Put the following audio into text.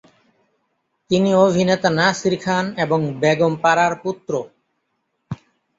তিনি অভিনেতা নাসির খান এবং বেগম পারার পুত্র।